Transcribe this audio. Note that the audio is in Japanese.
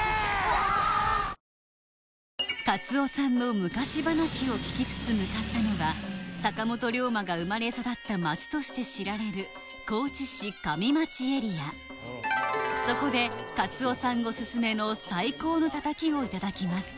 わぁかつおさんの昔話を聞きつつ向かったのは坂本龍馬が生まれ育った町として知られる高知市上町エリアそこでかつおさんオススメの最高のたたきをいただきます